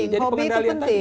ya penting hobi itu penting